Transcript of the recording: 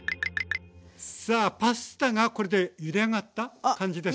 さあパスタがこれでゆで上がった感じですかね？